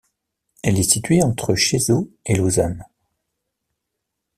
Elle est située entre Cheseaux, et Lausanne.